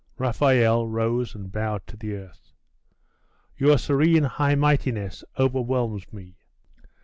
Raphael rose and bowed to the earth. 'Your serene high mightiness overwhelms me.